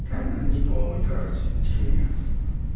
人口が多いんだから地球には。